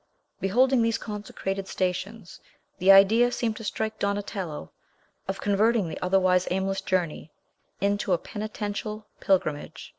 Beholding these consecrated stations, the idea seemed to strike Donatello of converting the otherwise aimless journey into a penitential pilgrimage.